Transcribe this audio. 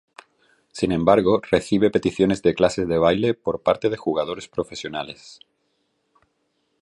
Sin embargo, recibe peticiones de clases de baile por parte de jugadores profesionales.